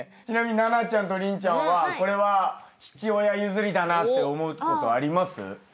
ちなみに奈々ちゃんと麟ちゃんはこれは父親譲りだなって思うことあります？